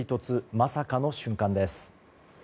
まさかの瞬間です。